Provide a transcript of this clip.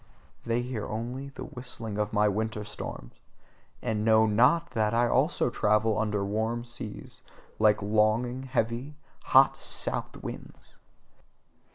They hear only the whistling of my winter storms: and know NOT that I also travel over warm seas, like longing, heavy, hot south winds.